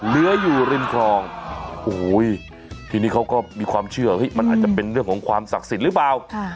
เหลืออยู่ริมคลองโอ้โหทีนี้เขาก็มีความเชื่อมันอาจจะเป็นเรื่องของความศักดิ์สิทธิ์หรือเปล่า